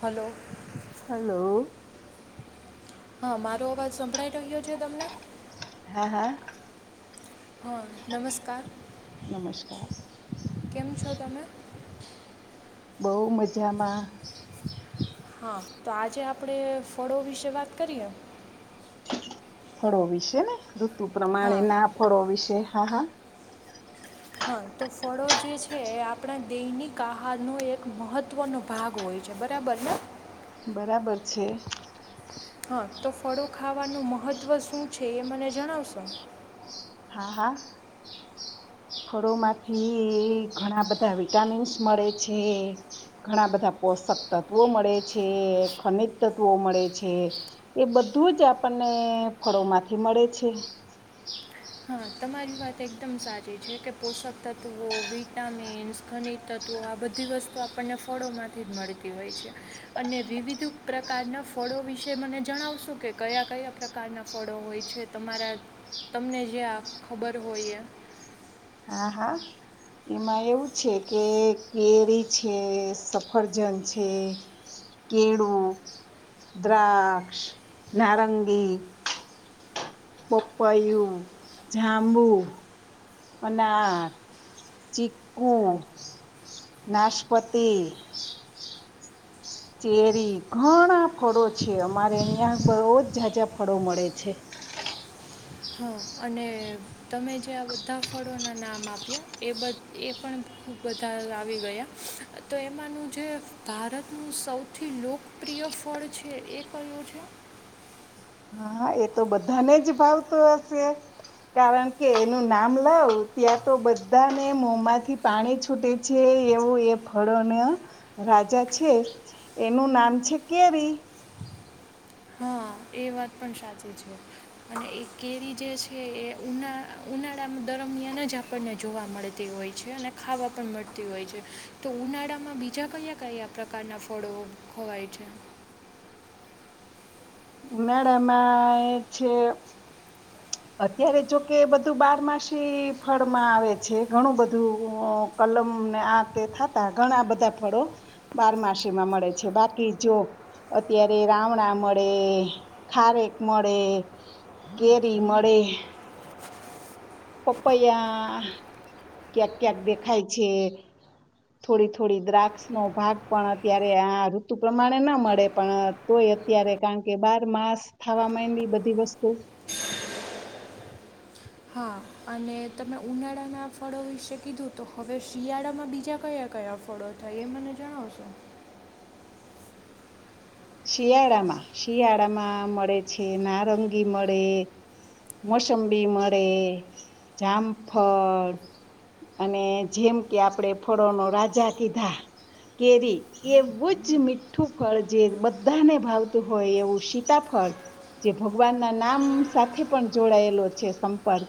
Hello hello હા મારો બસ સંભળાઈી રહ્યો છે તમને હા હા હા નમસ્કાર નમસ્કાર કેમ છો તમે બહુ મજામાં હા તો આજે આપડે ફળો વિશે વાત કરીએ ફળો વિશે ને ઋતુ હા પ્રમાણે ના ફળો વિશે હા હા હા તો ફળો જે છે એ આપણા દેહની આહારનો એક મહત્વનો ભાગ હોય છે બરાબર ને બરાબર છે હા તો ફળો ખાવાનું મહત્ત્વ શું છે એ મને જણાવશો હા ફળોમાંથી ઘણા બધા વિટામિન્સ મળે છે ઘણા બધા પોષક તત્વો મળે છે ખનિજ તત્વો મળે છે એ બધું જ આપણને ફળોમાંથી મળે છે હા તમારી વાત એકદમ સાચી છે કે પોષક તત્ત્વો વિટામિન્સ ખનિજ તત્વો આ બધી વસ્તુ આપણને ફળોમાંથી જ મળતી હોય છે અને વિવિધ પ્રકારનાં ફળો વિશે મને જણાવશું કે કયા કયા પ્રકારનાં ફળો હોય છે તમારા તમને જે ખબર હોઈએ હા હા એમાં એવું છે કે કેરી છે સફરજન છે કેળું દ્રાક્ષ નારંગી પોપયુ જાંબુ અનર ચીકુ નાશપતી ચેરી ઘણા ફળો છે અમારે અહિયાં બો જ જા જા ફળો મળે છે હા અને તમે જે આ બધા ફળોના નામ આપ્યા એ એ પણ બધા આવી ગયા તો એમાંનું જે ભારતનું સૌથી લોકપ્રિય ફળ છે એ કયું છે હા એ તો બધાને જ ભાવતો હશે કારણ કે એનું નામ લાવ ત્યાં તો બધાને મોમાંથી પાણી છૂટે છે એવું એ ફળોન રાજા છે એનું નામ છે કેરી હા એ વાત પણ સાચી છે અને એ કેરી જે છે એ ઉના ઉનાળા દરમિયાન જ આપણને જોવા મળતી હોય છે અને ખાવા પણ મળતી હોય છે તો ઉનાળામાં બીજા કયા કયા પ્રકારના ફળો ખવાય છે મેડમ આઈ છે અત્યારે જોકે બધું બારમાસી ફળમાં આવે છે ઘણું બધું કલમને આ તે થતા ઘણા બધા ફળો બારમાસી માં મળે છે બાકી જો અત્યારે રાવણા મળે ખારેક મળે કેરી મળે [unintelligible] પપૈયા ક્યાંક ક્યાંક દેખાય છે થોડી થોડી દ્રાક્ષ નો ભાગ પણ અત્યારે આ ઋતુ પ્રમાણે ના મળે પણ તોય અત્યારે કારણ કે બાર માસ થ માં એ બધી વસ્તુ હા અને તમે ઉનાળાના ફળો વિશે કીધું તો હવે શિયાળામાં બીજા કયા કયા ફળો થાય એ મને જણાવશો શિયાળામાં શિયાળામાં મળે છે નારંગી મળે મોસંબી મળે જામફળ અને જેમ કે આપણે ફળો ન રાજા કીધા કેરી એવું જ મીઠું ફળ જે બધાને ભાવતું હોય એવું સીતાફળ જે ભગવાન ના નામ સાથે પણ જોડાયેલો છે સંપર્ક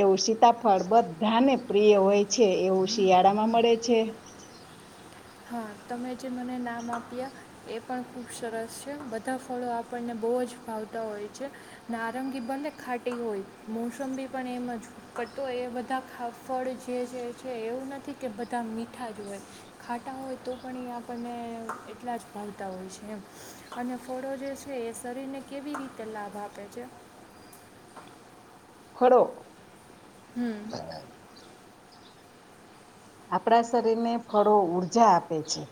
એવું સીતાફળ બધાને પ્રિય હોય છે એવું શિયાળામાં મળે છે હા તમે જે મને નામ આપ્યા એ પણ ખૂબ સરસ છે બધા ફળો આપણને બહુ જ ફાવતા હોય છે નારંગી બને ખાટી હોય મોસંબી પણ એમાં જ તો એ બધાા ફળ જે જે છે એવું નથી કે બધા મીઠા જ હોય ખાટા હોય તો પણ એ આપણને એટલા જ ફાવતા હોય છે એમ અને ફળો જે છે એ શરીરને કેવી રીતે લાભ આપે છે ખળો હમ આપણા શરીરને ફળો ઉઊર્જા આપે છે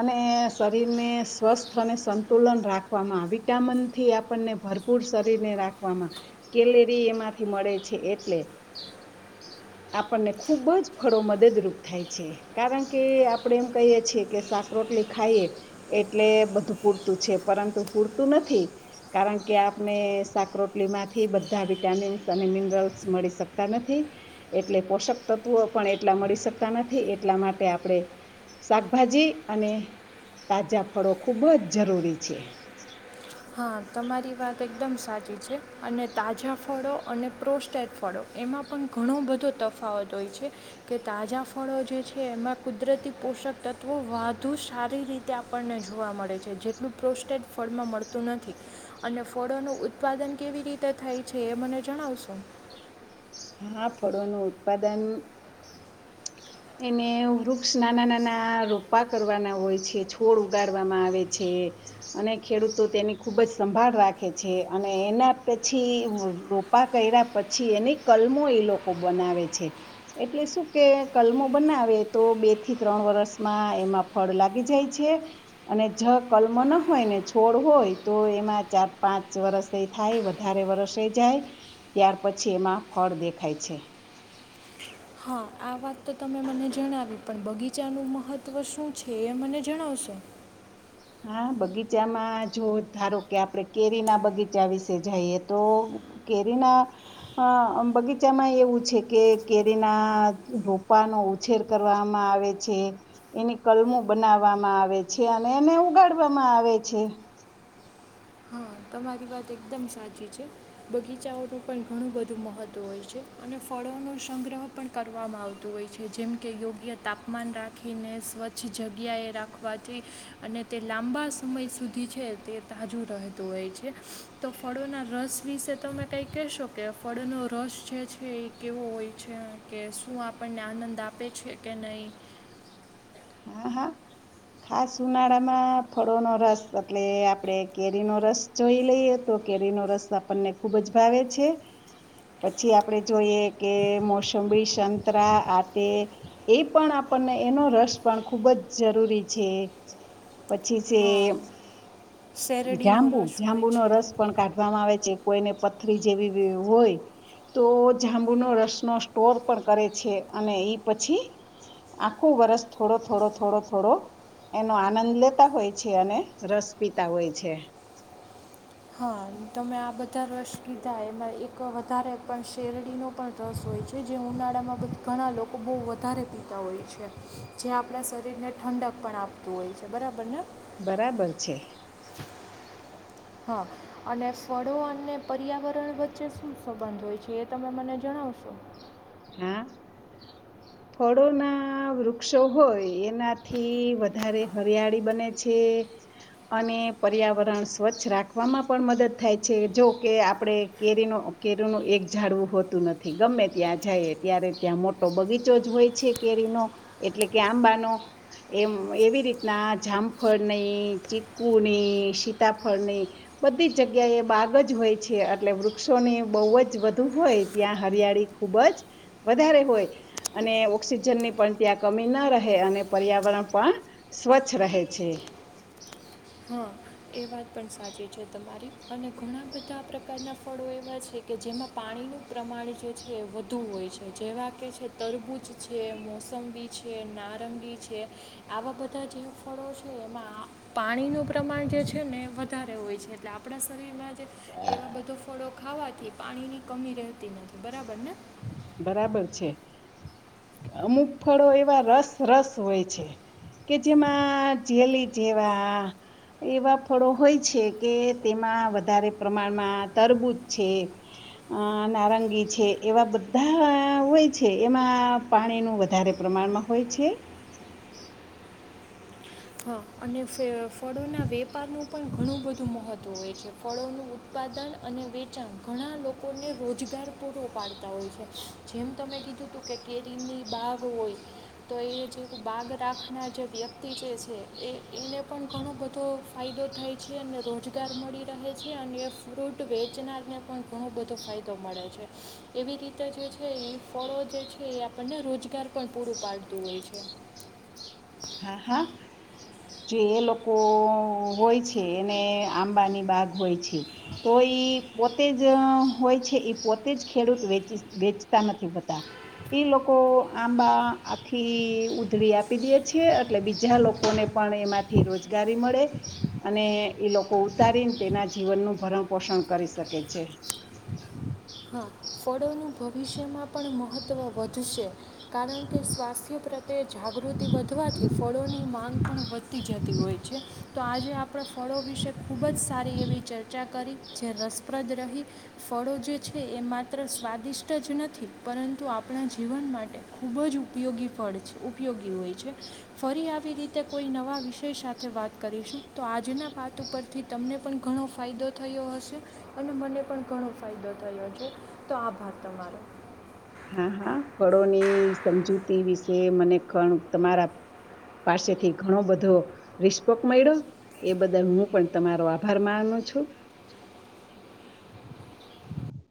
અને શરીરને સ્વસ્થ અને સંતુલન રાખવામાં વિટામિનથી આપણને ભરપૂર શરીરને રાખવામાં કેલેરી એમાંથી મળે છે એટલે આપણને ખૂબ જ ફળો મદદરૂપ થ છે કારણ કે આપણેે એમ કહીએ છીએ કે સાકરોટલી ખાઈએ એટલે બધું પૂરતું છે પરંતુ પૂરતું નથી કારણ કે આપણે સાકરોટલી માંથી બધા વિટામિન્સ અને મિનરલ્સ મળી શકતા નથી એટલે પોષક તત્વો પણ એટલા મળીક નથી એટલા માટે આપણે શાકભાજી અને તાજા ફળો ખૂબ જ જરૂરી છે હા તમારી વાત એકદમ સાચી છે અને તાજા ફળો અને પ્રોસ્ટેટ ફળો એમાં પણ ઘણો બધો તફાવત હોય છે કે તાજા ફળો જે છે એમાં કુદરતી પોષક તત્ત્વો વધુ સારી રીતે આપણને જોવા મળે છે જેટલું પ્રોસ્ટેટ ફળમાં મળતું થતું નથી અને ફળોનું ઉત્પાદન કેવી રીતે થાય છે એ મને જણાવશું હા ફળોનું ઉત્પાદન એને વૃક્ષ નાના નાના રોપા કરવાના હોય છે છોડ ઉગાડવામાં આવે છે અને ખેડૂતો તેની ખુબ જ સંભાળ રાખે છે અને એના પછી રોપા કર્યા પછી એની કલમો એ લોકો બનાવે છે એટલે શું કે કલમો બનાવે તો બે થી ત્રણ વરસમાં એમાં ફળ લાગી જાય છે અને જ કલમો ના હોય ને છોડ હોય તો એમાં ચાર પાંચ વરષ થાય વધારે વરષ જાય ત્યાર પછી એમાં ફળ દેખાય છે હા આ વાત તો તમે મને જણાવી પણ બગીચાનું મહત્ત્વ શું છે એ મને જણાવસો હા બગીચામાં જો ધારો કે આપણે કેરી ના બગીચા વિશે જઈએ તો કેરીના બગીચામાં એવું છે કે કેરીના રોપાનો ઉછેર કરવામાં આવે છે એની કલમો બનાવવામાં આવે છે અને એને ઉગાડવામાં આવે છે હા તમારી વાત એકદમ સાચી છે બગીચાઓનું પણ ઘણું બધું મહત્ત્વ હોય છે અને ફળોનો સંગ્રહ પણ કરવામાં આવતું હોય છે જેમ કે યોગ્ય તાપમાન રાખીને સ્વચ્છ જગ્યાએ રાખવાથી અને તે લાંબા સમય સુધી છે તે તાજું રહે હોય છે તો ફળોના રસ વિશે તમે કઈ કહેશો કે ફળોનો રસ જે છે એ કેવો હોય છે કે શું આપણને આનંદ આપે છે કે નહી હા હા ખાસ ઉનાળામાં ફળોનોો રસ એટલે આપણે કેરીનોો રસ જોઈ લઈએ તો કેરીનોો રસ આપણને ખુબ જ ભાવે છે પછી આપડે જોઈએ કે મોસંબી સંતરા આટે એ પણ આપણને એનો રસ પણ ખુબ જ જરૂરી છે પ હા પછી શેરડીનો જાંબુ રસ હોય જાંબુનો છે રસ પણ કાઢવામાં આવે છે કોઈને પથરી જેવી હોય તો જાંબુનો રસ નો સ્ટોર પણ કરે છે અને એ પછી આખું વરસ થોડો થોડો થોડો થોડો એનો આનંદ લેતા હોય છે અને રસ પીતા હોય છે હા તમે આ બધા રસ કીધા એમાં એક વધારે પણ શેરડીનો પણ રસ હોય છે જે ઉનાળામાં બ ઘણા લોકો બહુ વધારે પીતા હોય છે જે આપણા શરીરને ઠંડક પણ આપતું હોય છે બરાબર ને બરાબર છે હા અને ફળો અને પર્યાવરણ વચ્ચે શું સંબંધ હોય છે એ તમે મને જણાવશો હા ફળોના વૃક્ષો હોય એનાથી વધારે હરિયાળી બને છે અને પર્યાવરણ સ્વચ્છ રાખવામાં પણ મદદ થાય છે જો કે આપણે કેરીનો કેરીનું એક જાડવું હોતું નથી ગમે ત્યાં જાય ત્યારે ત્યાં મોટો બગીચો જ હોય છે કેરીનો એટલે કે આંબાનો એમ એવી રીતના જામફળની ચીકુની સીતાફળની બધી જગ્યા એ બાગ જ હોય છે એટલે વૃક્ષોની બહુ જ વધધુ હોય ત્યાં હરિયાળી ખૂબ જ વધારે હોય અને ઓક્સિજનની પણ ત્યાં કમી ન રહે અને પર્યાવરણ પણ સ્વચ્છ રહે છે હા એ વાત પણ સાચી છે તમારી અને ઘણા બધા પ્રકારનાં ફળો એવા છે કે જેમાં પાણીનું પ્રમાણ જે છે એ વધુ હોય છે જેવા કે છે તરબૂજ છે મોસંબી છે નારંબી છે આવા બધા જે ફળો છે એમાં પાણીનો પ્રમાણ જે છે ને વધારે હોય છે એટલે આપણા શરીરમાં એવા બધો ફળો ખાવાથી પાણીની કમી રહેતી નથી બરાબર ને બરાબર છે અમુક ફળો એવા રસ રસ હોય છે કે જેમાં જેલી જેવા એવા ફળો હોય છે કે તેમાં વધારે પ્રમાણમાં તરબૂજ છે અ નારંગી છે એવા બધ ધા હોય છે એમાં પાણીનું વધારે પ્રમાણમાં હોય છે હા અને ફ ફળોના વેપારનું પણ ઘણું બધું મહત્ત્વ હોય છે. ફળોનું ઉત્પાદન અને વેચાણ ઘણા લોકોને રોજગાર પૂરોું પાડતા હોય છે જેમ તમે કીધું હતું કે કેરીની બાગ હોય તો એ જે બાગ રાખનાર જે વ્યક્તિ છે. છે એ એને પણ ઘણું બધો ફાયદો થાય છે અને રોજગાર મળી રહે છે અને એ ફ્રૂટ વેચનારને પણ ઘણો બધો ફાયદો મળે છે એવી રીતે જે છે એ ફળો જે છે એ આપણને રોજગાર પણ પૂરું પાડતું હોય છે. હા હા જો એ લોકો હોય છે એને આંબાની બાગ હોય છે તો એ પોતે જ હોય છે એ પોતે જ ખેડૂત વી વેચતા નથી હોતા એ લોકો આંબા આખી ઉધળી આપી દે એટલે બીજા લોકોને પણ એમાંથી રોજગારી મળે અને એ લોકો ઉતારીને તેના જીવનનું ભરણ પોષણ કરી શકે છે. હા ફળોનું ભવિષ્યમાં પણ મહત્ત્વ વ [unintelligible] કારણ કે સ્વાસ્થ્ય પ્રત્યે જાગૃતિ વધવાથી ફળોની માંગ પણ વધતી જતી હોય છે તો આજે આપણે ફળો વિશે ખૂબ જ સારી એવી ચર્ચા કરી જે રસપ્રદ રહી ફળો જે છે એ માત્ર સ્વાદિષ્ટ જ નથી પરંતુ આપણા જીવન માટે ખૂબ જ ઉપયોગી ફળ છે ઉપયોગી હોય છે ફરી આવી રીતે કોઈ નવા વિષય સાથે વાત કરીશું તો આજના પાત ઉપરથી તમને પણ ઘણો ફાયદો થયો હશે અને મને પણ ઘણો ફાયદો થયો છે તો આભાર તમારો હા હા ફળોની સમજૂતી વિશે મને તમારા પાસેથી ઘણો બધો રિસ્પોક મળ્યો એ બદલ હું પણ તમારો આભાર માનનો છું. [inaudible]